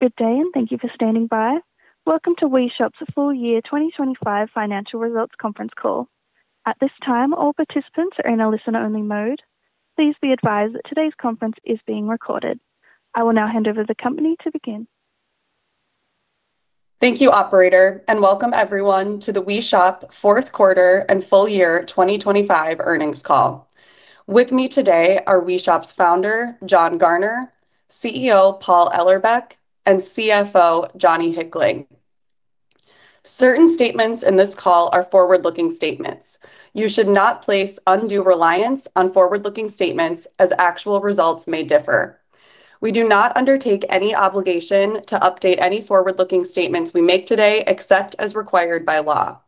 Good day, and thank you for standing by. Welcome to WeShop's Full Year 2025 Financial Results Conference Call. At this time, all participants are in a listen-only mode. Please be advised that today's conference is being recorded. I will now hand over the company to begin. Thank you, operator, Welcome everyone to the WeShop Q4 and full year 2025 earnings call. With me today are WeShop's Founder, John Garner, CEO, Paul Ellerbeck, and CFO, Johnny Hickling. Certain statements in this call are forward-looking statements. You should not place undue reliance on forward-looking statements as actual results may differ. We do not undertake any obligation to update any forward-looking statements we make today, except as required by law.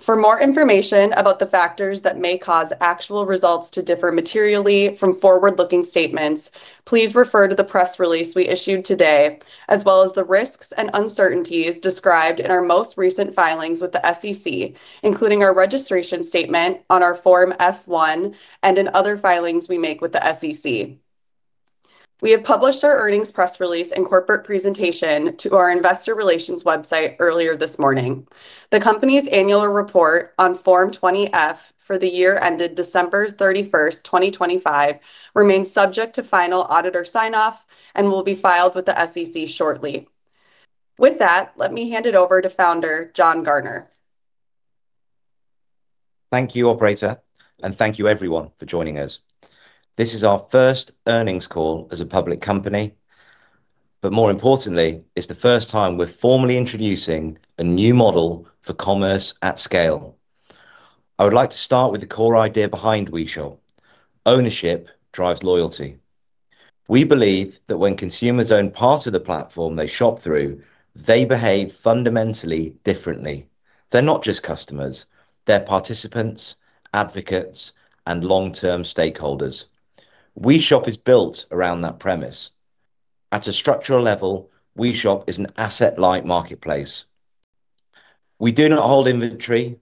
For more information about the factors that may cause actual results to differ materially from forward-looking statements, please refer to the press release we issued today, as well as the risks and uncertainties described in our most recent filings with the SEC, including our registration statement on our Form F-1 and in other filings we make with the SEC. We have published our earnings press release and corporate presentation to our investor relations website earlier this morning. The company's annual report on Form 20-F for the year ended December 31st, 2025, remains subject to final auditor sign-off and will be filed with the SEC shortly. With that, let me hand it over to Founder, John Garner. Thank you, operator, and thank you everyone for joining us. This is our first earnings call as a public company, but more importantly, it's the first time we're formally introducing a new model for commerce at scale. I would like to start with the core idea behind WeShop. Ownership drives loyalty. We believe that when consumers own parts of the platform they shop through, they behave fundamentally differently. They're not just customers, they're participants, advocates, and long-term stakeholders. WeShop is built around that premise. At a structural level, WeShop is an asset-light marketplace. We do not hold inventory,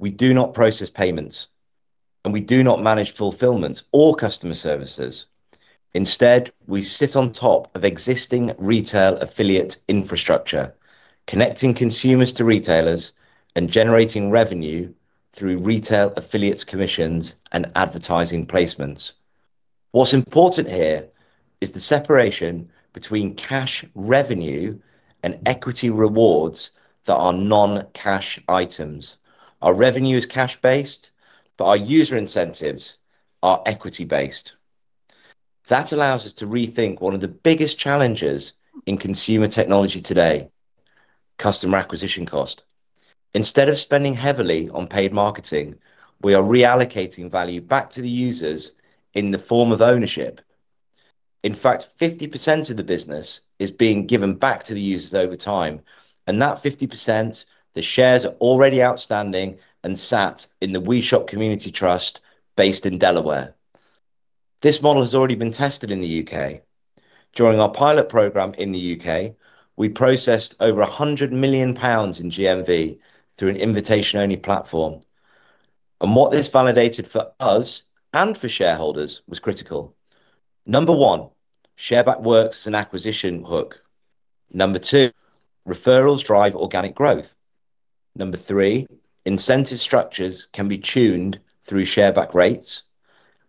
we do not process payments, and we do not manage fulfillment or customer services. Instead, we sit on top of existing retail affiliate infrastructure, connecting consumers to retailers and generating revenue through retail affiliates commissions and advertising placements. What's important here is the separation between cash revenue and equity rewards that are non-cash items. Our revenue is cash-based, but our user incentives are equity-based. That allows us to rethink one of the biggest challenges in consumer technology today, customer acquisition cost. Instead of spending heavily on paid marketing, we are reallocating value back to the users in the form of ownership. In fact, 50% of the business is being given back to the users over time. That 50%, the shares are already outstanding and sat in the WeShop Community Trust based in Delaware. This model has already been tested in the U.K. During our pilot program in the U.K., we processed over 100 million pounds in GMV through an invitation-only platform. What this validated for us and for shareholders was critical. Number one, ShareBack works as an acquisition hook. Number two, referrals drive organic growth. Number three, incentive structures can be tuned through ShareBack rates.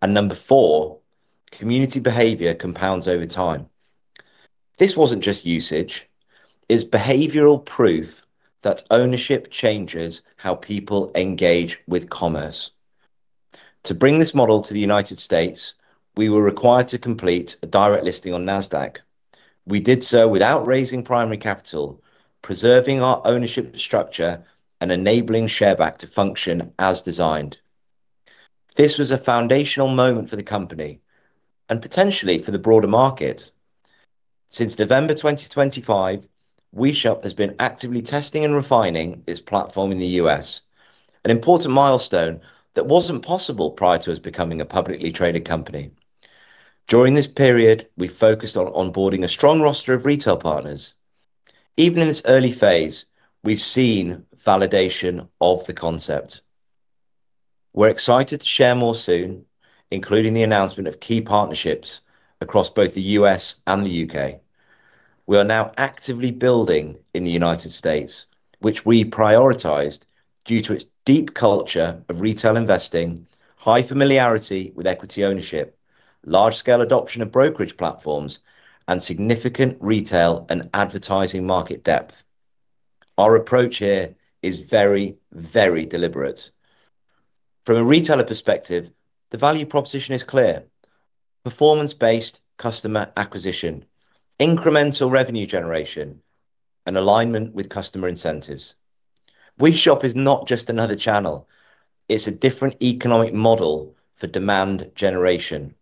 Number four, community behavior compounds over time. This wasn't just usage. It's behavioral proof that ownership changes how people engage with commerce. To bring this model to the U.S., we were required to complete a direct listing on Nasdaq. We did so without raising primary capital, preserving our ownership structure and enabling ShareBack to function as designed. This was a foundational moment for the company and potentially for the broader market. Since November 2025, WeShop has been actively testing and refining its platform in the U.S., an important milestone that wasn't possible prior to us becoming a publicly traded company. During this period, we focused on onboarding a strong roster of retail partners. Even in this early phase, we've seen validation of the concept. We're excited to share more soon, including the announcement of key partnerships across both the U.S. and the U.K. We are now actively building in the United States, which we prioritized due to its deep culture of retail investing, high familiarity with equity ownership, large scale adoption of brokerage platforms, and significant retail and advertising market depth. Our approach here is very, very deliberate. From a retailer perspective, the value proposition is clear. Performance-based customer acquisition, incremental revenue generation, and alignment with customer incentives. WeShop is not just another channel, it's a different economic model for demand generation.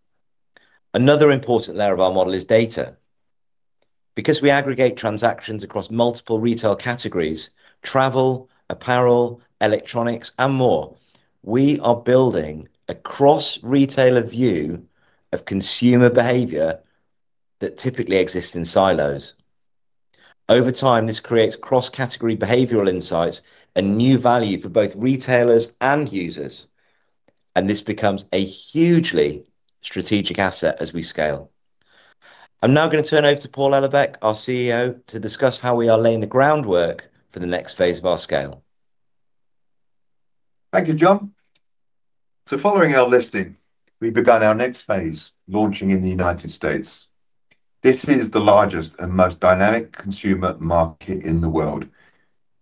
Another important layer of our model is data. Because we aggregate transactions across multiple retail categories, travel, apparel, electronics, and more, we are building a cross-retailer view of consumer behavior that typically exists in silos. Over time, this creates cross-category behavioral insights and new value for both retailers and users. This becomes a hugely strategic asset as we scale. I'm now gonna turn over to Paul Ellerbeck, our CEO, to discuss how we are laying the groundwork for the next phase of our scale. Thank you, John. Following our listing, we've begun our next phase, launching in the United States. This is the largest and most dynamic consumer market in the world,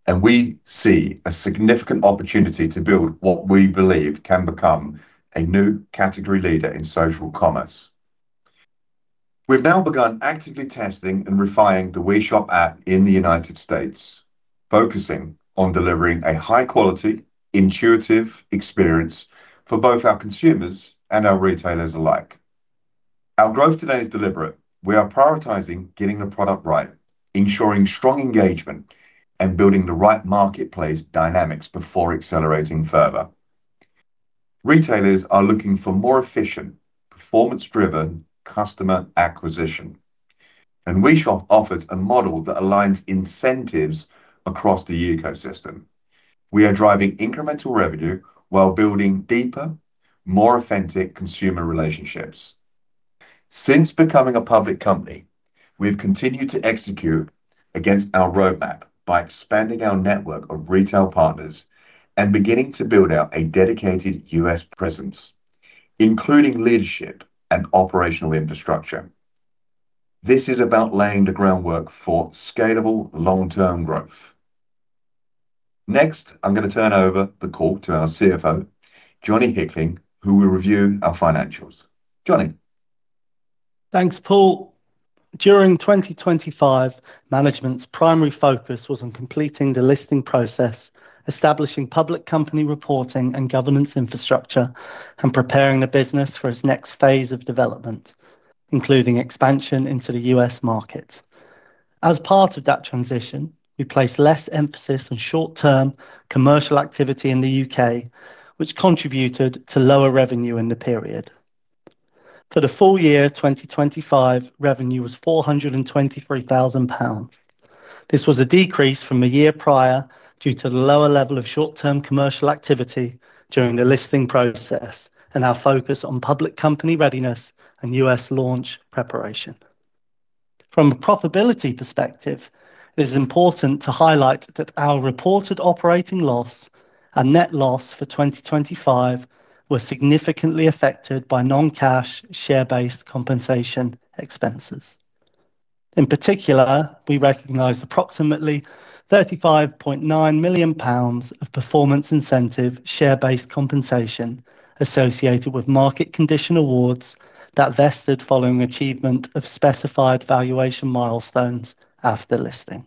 and we see a significant opportunity to build what we believe can become a new category leader in social commerce. We've now begun actively testing and refining the WeShop app in the United States, focusing on delivering a high quality, intuitive experience for both our consumers and our retailers alike. Our growth today is deliberate. We are prioritizing getting the product right, ensuring strong engagement, and building the right marketplace dynamics before accelerating further. Retailers are looking for more efficient, performance-driven customer acquisition, and WeShop offers a model that aligns incentives across the ecosystem. We are driving incremental revenue while building deeper, more authentic consumer relationships. Since becoming a public company, we've continued to execute against our roadmap by expanding our network of retail partners and beginning to build out a dedicated U.S. presence, including leadership and operational infrastructure. This is about laying the groundwork for scalable long-term growth. Next, I'm gonna turn over the call to our CFO, Johnny Hickling, who will review our financials. Johnny. Thanks, Paul. During 2025, management's primary focus was on completing the listing process, establishing public company reporting and governance infrastructure, and preparing the business for its next phase of development, including expansion into the U.S. market. As part of that transition, we placed less emphasis on short-term commercial activity in the U.K., which contributed to lower revenue in the period. For the full year 2025, revenue was 423,000 pounds. This was a decrease from a year prior due to the lower level of short-term commercial activity during the listing process and our focus on public company readiness and U.S. launch preparation. From a profitability perspective, it is important to highlight that our reported operating loss and net loss for 2025 were significantly affected by non-cash share-based compensation expenses. In particular, we recognized approximately 35.9 million pounds of performance incentive share-based compensation associated with market condition awards that vested following achievement of specified valuation milestones after listing.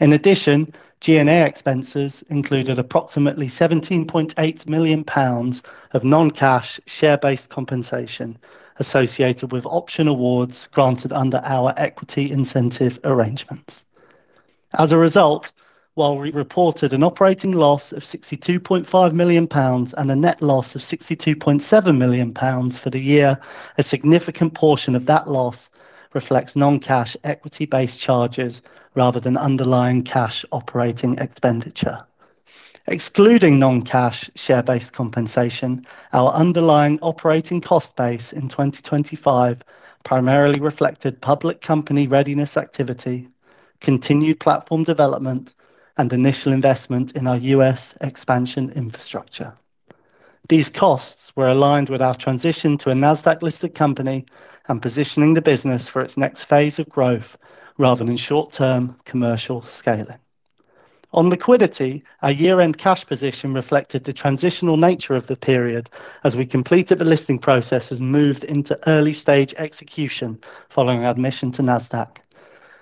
In addition, G&A expenses included approximately 17.8 million pounds of non-cash share-based compensation associated with option awards granted under our equity incentive arrangements. As a result, while we reported an operating loss of 62.5 million pounds and a net loss of 62.7 million pounds for the year, a significant portion of that loss reflects non-cash equity-based charges rather than underlying cash operating expenditure. Excluding non-cash share-based compensation, our underlying operating cost base in 2025 primarily reflected public company readiness activity, continued platform development, and initial investment in our U.S. expansion infrastructure. These costs were aligned with our transition to a Nasdaq-listed company and positioning the business for its next phase of growth rather than short-term commercial scaling. On liquidity, our year-end cash position reflected the transitional nature of the period as we completed the listing process and moved into early stage execution following admission to Nasdaq.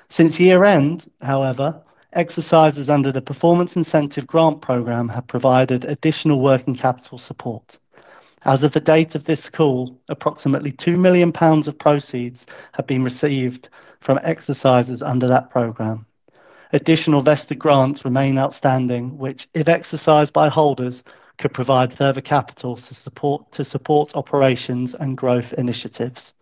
Since year-end, however, exercises under the performance incentive grant program have provided additional working capital support. As of the date of this call, approximately 2 million pounds of proceeds have been received from exercises under that program. Additional vested grants remain outstanding, which, if exercised by holders, could provide further capital to support operations and growth initiatives.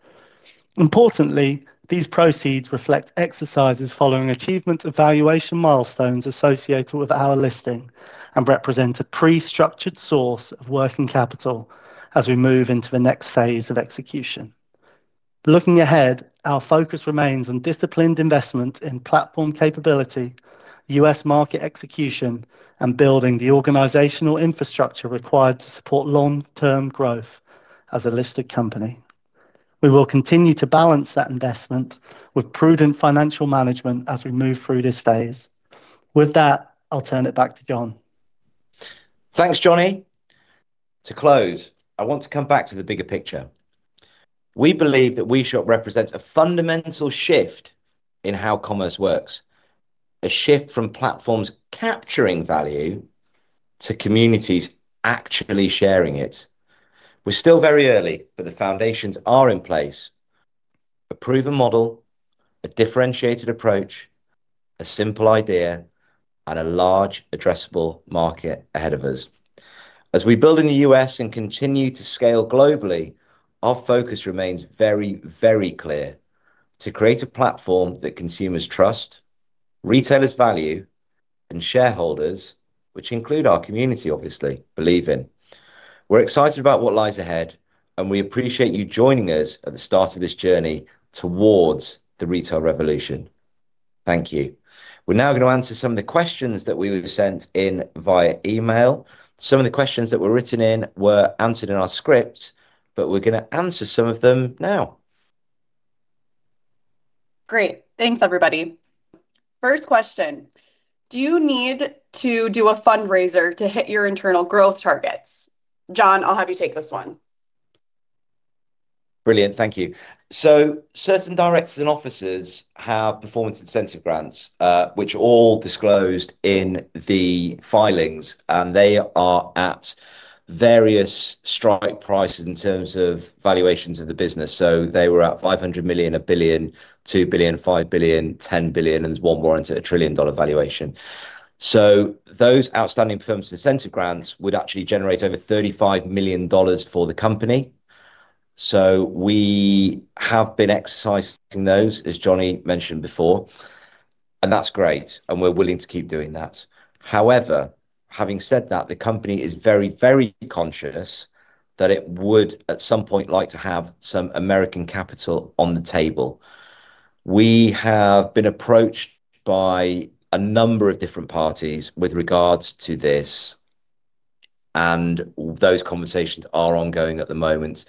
Importantly, these proceeds reflect exercises following achievement of valuation milestones associated with our listing and represent a pre-structured source of working capital as we move into the next phase of execution. Looking ahead, our focus remains on disciplined investment in platform capability, U.S. market execution, and building the organizational infrastructure required to support long-term growth as a listed company. We will continue to balance that investment with prudent financial management as we move through this phase. With that, I'll turn it back to John. Thanks, Johnny. To close, I want to come back to the bigger picture. We believe that WeShop represents a fundamental shift in how commerce works, a shift from platforms capturing value to communities actually sharing it. We're still very early, but the foundations are in place. A proven model, a differentiated approach, a simple idea, and a large addressable market ahead of us. As we build in the U.S. and continue to scale globally, our focus remains very, very clear, to create a platform that consumers trust, retailers value, and shareholders, which include our community, obviously, believe in. We're excited about what lies ahead, and we appreciate you joining us at the start of this journey towards the retail revolution. Thank you. We're now gonna answer some of the questions that we were sent in via email. Some of the questions that were written in were answered in our script, but we're gonna answer some of them now. Great. Thanks, everybody. First question: Do you need to do a fundraiser to hit your internal growth targets? John, I'll have you take this one. Brilliant. Thank you. Certain directors and officers have performance incentive grants, which are all disclosed in the filings, and they are at various strike prices in terms of valuations of the business. They were at 500 million, 1 billion, 2 billion, 5 billion, 10 billion, and there's one more into a trillion-dollar valuation. Those outstanding performance and incentive grants would actually generate over $35 million for the company. We have been exercising those, as Johnny mentioned before, and that's great, and we're willing to keep doing that. However, having said that, the company is very, very conscious that it would, at some point, like to have some American capital on the table. We have been approached by a number of different parties with regards to this, and those conversations are ongoing at the moment.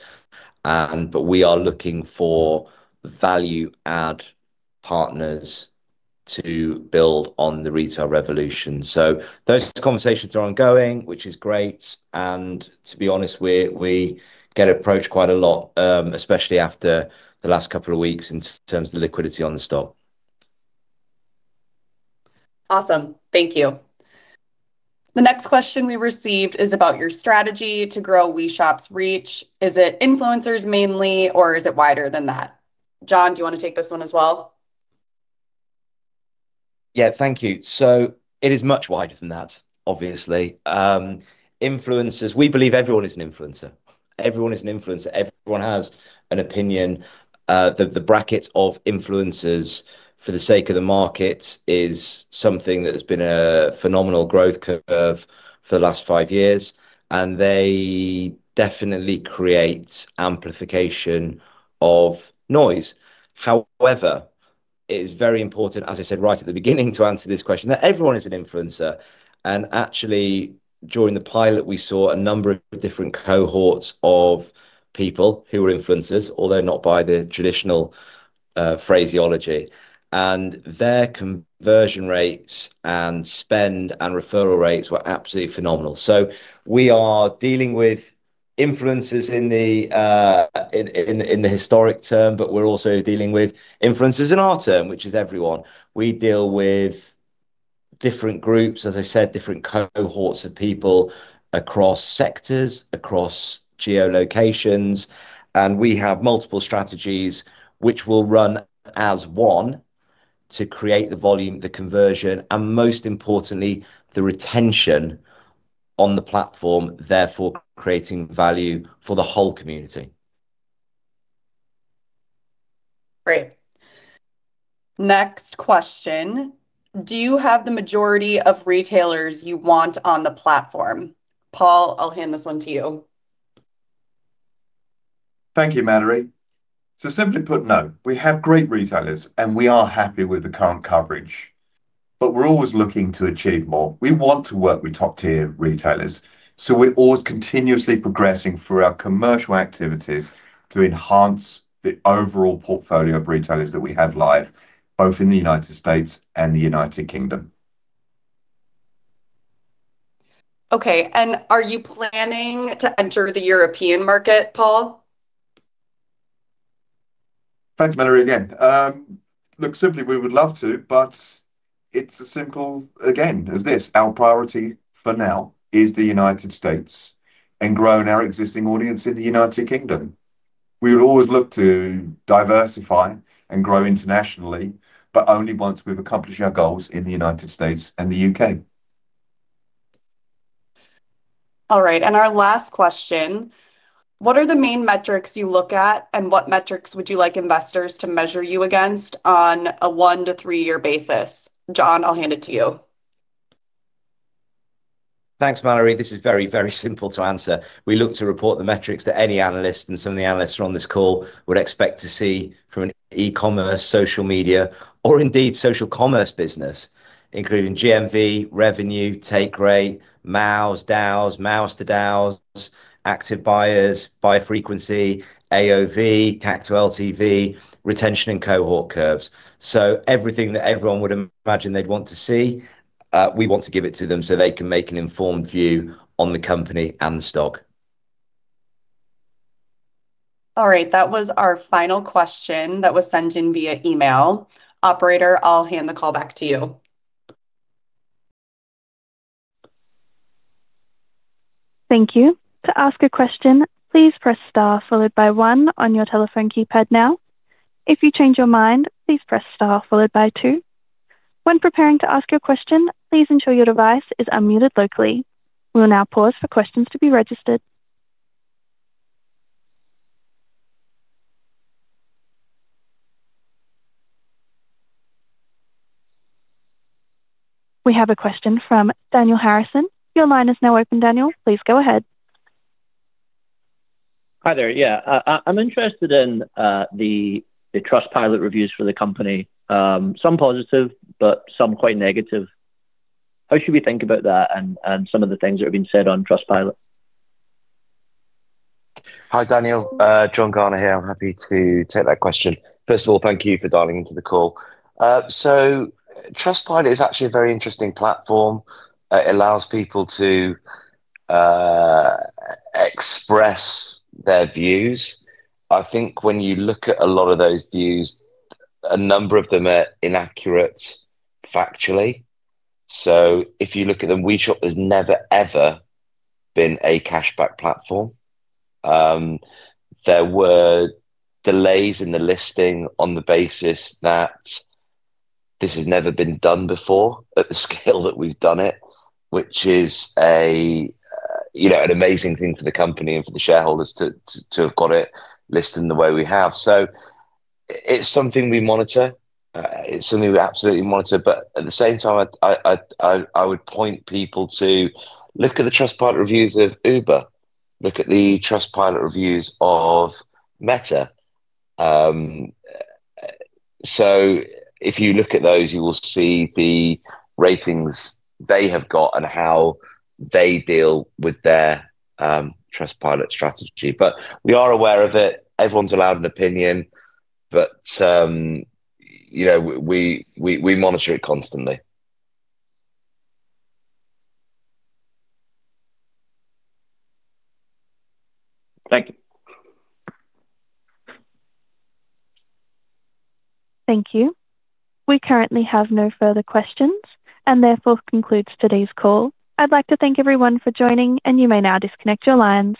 We are looking for value add partners to build on the retail revolution. Those conversations are ongoing, which is great, and to be honest, we get approached quite a lot, especially after the last couple of weeks in terms of the liquidity on the stock. Awesome. Thank you. The next question we received is about your strategy to grow WeShop's reach. Is it influencers mainly, or is it wider than that? John, do you wanna take this one as well? Thank you. It is much wider than that, obviously. Influencers, we believe everyone is an influencer. Everyone is an influencer. Everyone has an opinion. The bracket of influencers, for the sake of the market, is something that has been a phenomenal growth curve for the last five years, and they definitely create amplification of noise. However, it is very important, as I said right at the beginning to answer this question, that everyone is an influencer, and actually, during the pilot, we saw a number of different cohorts of people who were influencers, although not by the traditional, phraseology, and their conversion rates and spend and referral rates were absolutely phenomenal. We are dealing with influencers in the historic term, but we're also dealing with influencers in our term, which is everyone. We deal with different groups, as I said, different cohorts of people across sectors, across geolocations, and we have multiple strategies which will run as one to create the volume, the conversion, and most importantly, the retention on the platform, therefore creating value for the whole community. Great. Next question: Do you have the majority of retailers you want on the platform? Paul, I'll hand this one to you. Thank you, Mallory. Simply put, no. We have great retailers, and we are happy with the current coverage, but we're always looking to achieve more. We want to work with top-tier retailers, so we're always continuously progressing through our commercial activities to enhance the overall portfolio of retailers that we have live, both in the U.S. and the U.K. Okay, are you planning to enter the European market, Paul? Thanks, Mallory again. Look, simply, we would love to, but it's a simple, again, as this, our priority for now is the United States and growing our existing audience in the United Kingdom. We would always look to diversify and grow internationally, but only once we've accomplished our goals in the United States and the U.K. Alright. Our last question: What are the main metrics you look at, and what metrics would you like investors to measure you against on a one to three-year basis? John, I'll hand it to you. Thanks, Mallory. This is very, very simple to answer. We look to report the metrics that any analyst, and some of the analysts are on this call, would expect to see from an eCommerce, social media or indeed social commerce business, including GMV, revenue, take rate, MAUs, DAUs, MAUs to DAUs, active buyers, buyer frequency, AOV, CAC to LTV, retention and cohort curves. Everything that everyone would imagine they'd want to see, we want to give it to them so they can make an informed view on the company and the stock. All right. That was our final question that was sent in via email. Operator, I'll hand the call back to you. Thank you. To ask a question, please press star followed by one on your telephone keypad now. If you change your mind, please press star followed by two. When preparing to ask a question please ensure your device is unmuted. [inaudible] We will now pause for the question to be registered. We have a question from Daniel Harrison. Please go ahead. Hi there. Yeah. I'm interested in the Trustpilot reviews for the company. Some positive, but some quite negative. How should we think about that and some of the things that have been said on Trustpilot? Hi, Daniel. John Garner here. I'm happy to take that question. First of all, thank you for dialing into the call. Trustpilot is actually a very interesting platform. It allows people to express their views. I think when you look at a lot of those views, a number of them are inaccurate factually. If you look at them, WeShop has never, ever been a cashback platform. There were delays in the listing on the basis that this has never been done before at the scale that we've done it, which is a, you know, an amazing thing for the company and for the shareholders to have got it listed in the way we have. It's something we monitor. It's something we absolutely monitor. At the same time, I would point people to look at the Trustpilot reviews of Uber, look at the Trustpilot reviews of Meta. If you look at those, you will see the ratings they have got and how they deal with their Trustpilot strategy. We are aware of it. Everyone's allowed an opinion, but, you know, we monitor it constantly. Thank you. Thank you. We currently have no further questions and therefore concludes today's call. I'd like to thank everyone for joining, and you may now disconnect your lines.